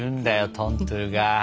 トントゥ！